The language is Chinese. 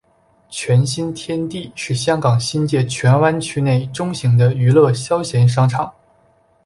荃新天地是香港新界荃湾区内中型的娱乐消闲商场。